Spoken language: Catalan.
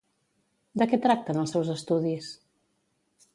De què tracten els seus estudis?